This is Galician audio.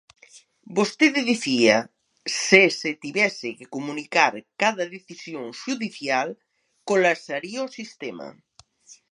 Vostede dicía: se se tivese que comunicar cada decisión xudicial, colapsaría o sistema.